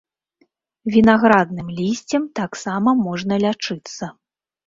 Вінаградным лісцем таксама можна лячыцца.